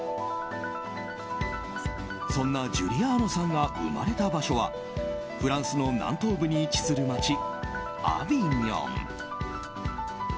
そんなジュリアーノさんが生まれた場所はフランスの南東部に位置する街アビニョン。